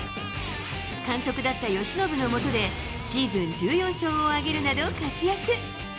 監督だった由伸の下で、シーズン１４勝を挙げるなど活躍。